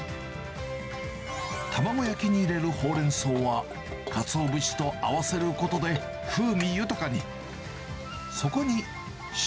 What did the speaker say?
卵焼きに入れるホウレンソウは、かつお節と合わせることで風味豊かに。